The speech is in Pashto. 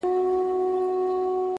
اصلي ځواک تل شور نه کوي